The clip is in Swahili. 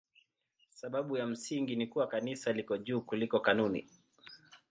Sababu ya msingi ni kuwa Kanisa liko juu kuliko kanuni.